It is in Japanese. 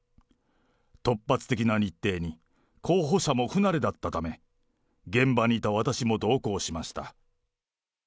突発的な日程に、候補者も不慣れだったため、現場にいた私も同行しました。